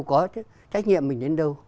có trách nhiệm mình đến đâu